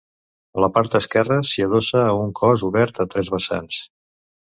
A la part esquerra s'hi adossa a un cos obert a tres vessants.